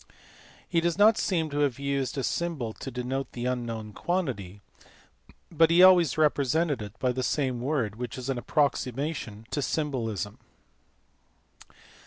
He does not seem to have used a symbol to denote the unknown quantity, but he always represented it by the same word, which is an approximation to symbolism.